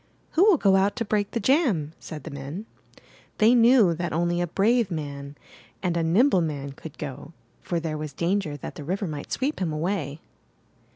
*'Who will go out to break the jam?'' said the men. They knew that only a brave man and a nimble man could go, for there was danger that the river might sweep him away.